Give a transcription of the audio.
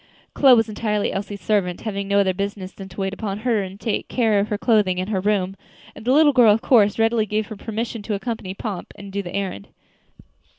Chloe was entirely Elsie's servant, having no other business than to wait upon her and take care of her clothing and her room; and the little girl, of course, readily gave her permission to accompany Pomp and do the errand.